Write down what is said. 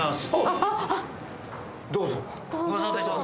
・どうぞ。